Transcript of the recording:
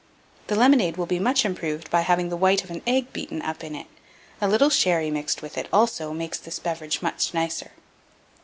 The lemonade will be much improved by having the white of an egg beaten up in it; a little sherry mixed with it, also, makes this beverage much nicer.